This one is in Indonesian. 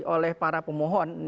oleh para pemohon